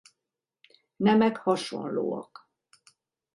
Nemek hasonlóak.